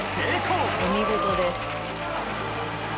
お見事です。